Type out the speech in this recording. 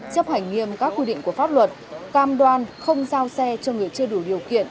chấp hành nghiêm các quy định của pháp luật cam đoan không giao xe cho người chưa đủ điều kiện